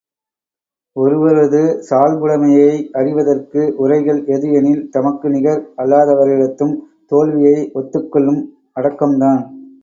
ஒருவரது சால்புடைமையை அறிவதற்கு உரைகல் எது எனில், தமக்கு நிகர் அல்லாதவரிடத்தும் தோல்வியை ஒத்துக்கொள்ளும் அடக்கம்தான்.